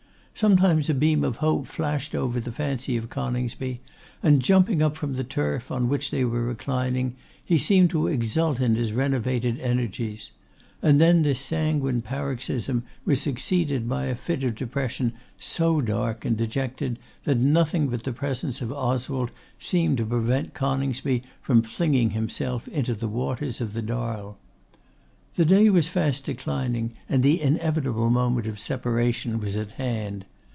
Sometimes a beam of hope flashed over the fancy of Coningsby, and jumping up from the turf, on which they were reclining, he seemed to exult in his renovated energies; and then this sanguine paroxysm was succeeded by a fit of depression so dark and dejected that nothing but the presence of Oswald seemed to prevent Coningsby from flinging himself into the waters of the Darl. The day was fast declining, and the inevitable moment of separation was at hand.